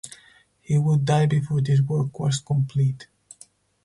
He would die before this work was complete.